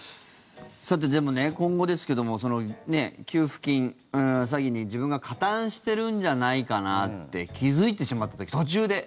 でも、今後ですけども給付金詐欺に自分が加担しているんじゃないかなって気付いてしまった時、途中で。